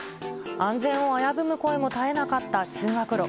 安全を危ぶむ声も絶えなかった通学路。